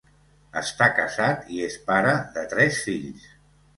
Està casat i es pare de tres fills.